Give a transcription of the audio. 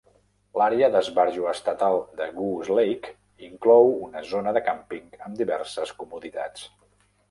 L'àrea d'esbarjo estatal de Goose Lake inclou una zona de càmping amb diverses comoditats.